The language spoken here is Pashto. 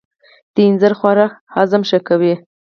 د اینځر خوراک هاضمه ښه کوي.